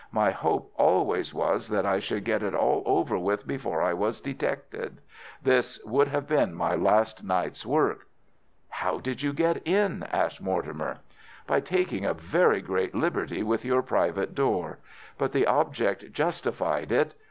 My hope always was that I should get it all over before I was detected. This would have been my last night's work." "How did you get in?" asked Mortimer. "By taking a very great liberty with your private door. But the object justified it.